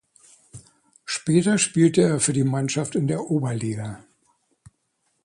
Später spielte er für die Mannschaft in der Oberliga.